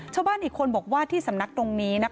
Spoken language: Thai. ชาวบ้านอีกคนบอกว่าที่สำนักตรงนี้